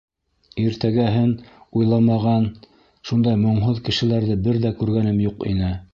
Иртәгәһен уйламаған шундай моңһоҙ кешеләрҙе бер ҙә күргәнем юҡ ине.